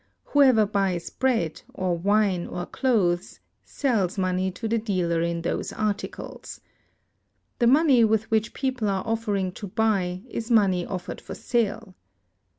Whoever buys bread, or wine, or clothes, sells money to the dealer in those articles. The money with which people are offering to buy, is money offered for sale.